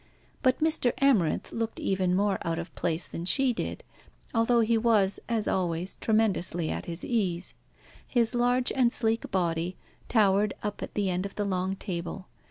But Mr. Amarinth looked even more out of place than she did, although he was, as always, tremendously at his ease. His large and sleek body towered up at the end of the long table.